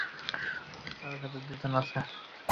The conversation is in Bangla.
তার সাথে দুজন আছে।